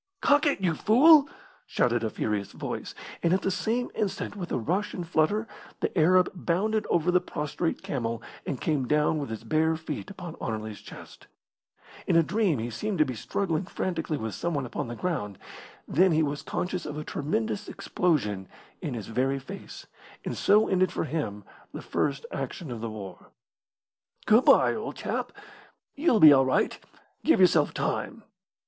"Cock it, you fool!" shouted a furious voice; and at the same instant, with a rush and flutter, the Arab bounded over the prostrate camel and came down with his bare feet upon Anerley's chest. In a dream he seemed to be struggling frantically with someone upon the ground, then he was conscious of a tremendous explosion in his very face, and so ended for him the first action of the war. "Good bye, old chap. You'll be all right. Give yourself time."